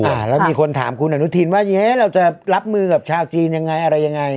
แล้วมีคนถามคุณอนุทินว่าเอ๊ะเราจะรับมือกับชาวจีนยังไงอะไรยังไง